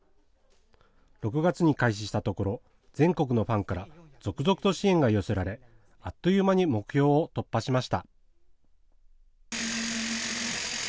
６月に開始したところ全国のファンから続々と支援が寄せられあっという間に目標を突破しました。